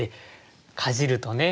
かじるとね